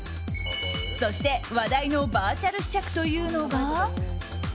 そして、話題のバーチャル試着というのが。